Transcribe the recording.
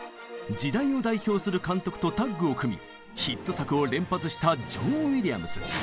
時代を代表する監督とタッグを組みヒット作を連発したジョン・ウィリアムズ。